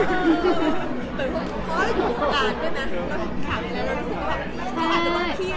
เราถามไปแล้วเรารู้สึกว่าเขาอาจจะต้องเครียด